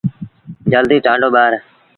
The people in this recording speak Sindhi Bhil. جلدي ٽآنڊو ٻآر۔